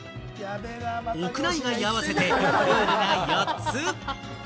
屋内外合わせてプールが４つ。